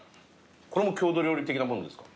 これも郷土料理的なものですか？